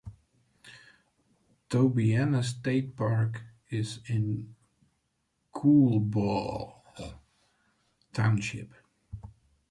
Tobyhanna State Park is in Coolbaugh Township.